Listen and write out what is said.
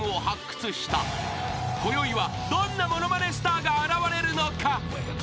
［こよいはどんなものまねスターが現れるのか？］